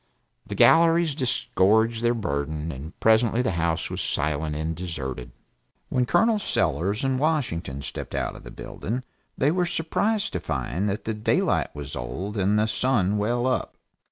The galleries disgorged their burden, and presently the house was silent and deserted. When Col. Sellers and Washington stepped out of the building they were surprised to find that the daylight was old and the sun well up.